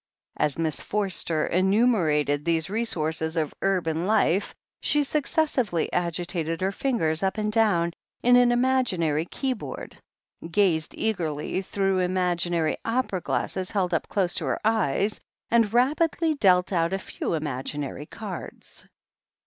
As Miss Forster enumerated these resources of urban life, she successively agitated her fingers up and down an imaginary key board, gazed eagerly through im agfinary opera glasses held up to her eyes, and rapidly dealt out a few imaginary cards.